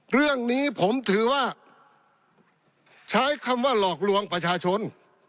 เรื่องนี้ผมถือว่าใช้คำว่าหลอกลวงประชาชน